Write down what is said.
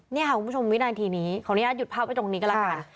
นี่ค่ะคุณผู้ชมวินาทีนี้ขออนุญาตหยุดภาพไว้ตรงนี้ก็แล้วกัน